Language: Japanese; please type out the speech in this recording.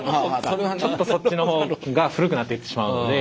ちょっとそっちの方が古くなっていってしまうので。